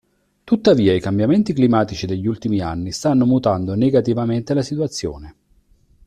Tuttavia i cambiamenti climatici degli ultimi anni stanno mutando negativamente la situazione.